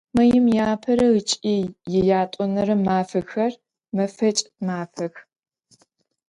Маим иапэрэ ыкӏи иятӏонэрэ мафэхэр мэфэкӏ мафэх.